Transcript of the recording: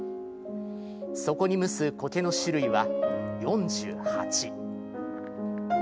そこにむす苔の種類は４８。